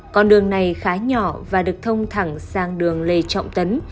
con đường này khá nhỏ và được thông thẳng sang đường lê trọng tấn